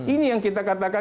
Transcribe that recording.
ini yang kita katakan